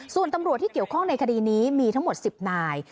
ส่วนตำรวจที่เกี่ยวข้องในคดีนี้มีทั้งหมด๑๐นาย